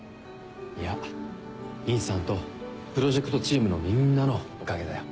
いや兄さんとプロジェクトチームのみんなのおかげだよ。